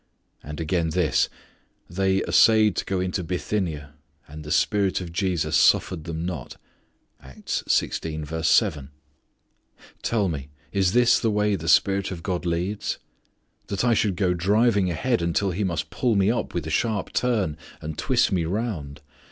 And again this, "they assayed to go into Bithynia; and the Spirit of Jesus suffered them not." Tell me, is this the way the Spirit of God leads? That I should go driving ahead until He must pull me up with a sharp turn, and twist me around!